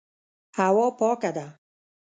هوا پاکه ده.